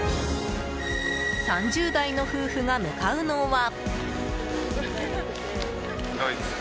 ３０代の夫婦が向かうのは？